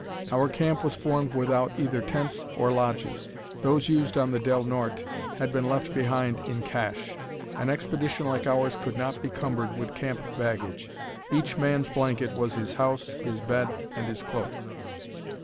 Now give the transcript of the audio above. Our camp was formed without either tents or lodges. Those used on the Del Norte had been left behind in "cache." An expedition like ours could not be cumbered with camp baggage. Each man's blanket was his house, his bed, and his cloak.